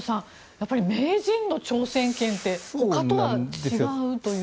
やっぱり名人の挑戦権ってほかとは違うという。